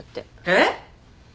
えっ？